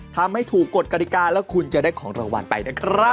ทำให้ถูกกฎกฎิกาแล้วคุณจะได้ของรางวัลไปนะครับ